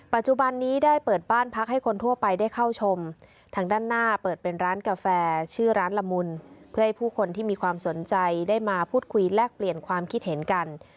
ปัจจุบันนี้ได้เปิดบ้านพักให้คนทั่วไปได้เข้าชมทางด้านหน้าเปิดเป็นร้านกาแฟชื่อร้านละมุนเพื่อให้ผู้คนที่มีความสนใจได้มาพูดคุยแลกเปลี่ยนความคิดเห็นกัน